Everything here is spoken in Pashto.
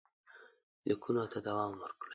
لیکونو ته دوام ورکړئ.